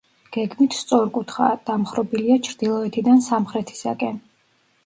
გეგმით სწორკუთხაა, დამხრობილია ჩრდილოეთიდან სამხრეთისაკენ.